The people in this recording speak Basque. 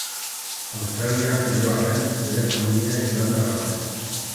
Australian jaio arren, bere familia irlandarra zen.